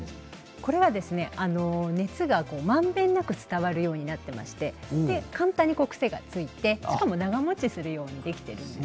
これは熱がまんべんなく伝わるようになっていまして簡単に癖がついてしかも長もちするようにできているんです。